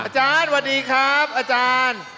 อาจารย์สวัสดีครับอาจารย์